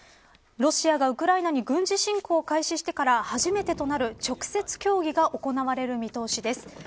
ロシアがウクライナに軍事侵攻を開始してから初めてとなる直接協議が行われる見通しです。